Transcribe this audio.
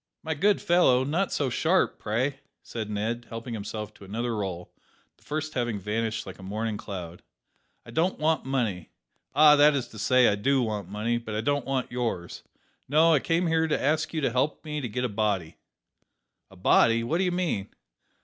"My good fellow, not so sharp, pray," said Ned, helping himself to another roll, the first having vanished like a morning cloud; "I don't want money ah: that is to say, I do want money, but I don't want yours. No; I came here to ask you to help me to get a body." "A body. What do you mean?"